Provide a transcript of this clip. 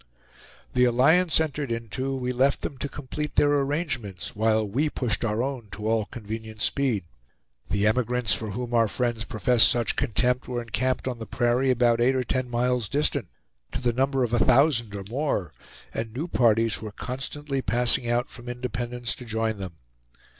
The alliance entered into, we left them to complete their arrangements, while we pushed our own to all convenient speed. The emigrants for whom our friends professed such contempt were encamped on the prairie about eight or ten miles distant, to the number of a thousand or more, and new parties were constantly passing out from Independence to join them.